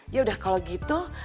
yaudah kalau gitu